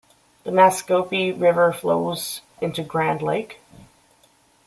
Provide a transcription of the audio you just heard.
The Naskaupi River flows into Grand Lake.